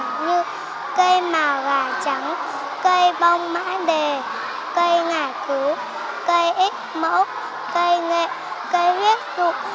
mọi người trồng các loại cây để thay thế cho mật như cây màu gà trắng cây bông mã đề cây ngải cứu cây ít mẫu cây nghệ cây huyết rụng